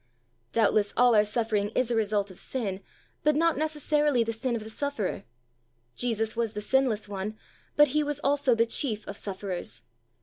Doubtless all our suffering is a result of sin, but not necessarily the sin of the sufferer. Jesus was the sinless One, but He was also the Chief of sufferers.